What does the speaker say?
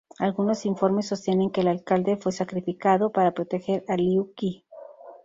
Algunos informes sostienen que el alcalde fue "sacrificado" para proteger a Liu Qi.